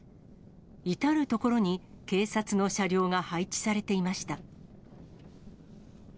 至る所に警察の車両が配置されていました。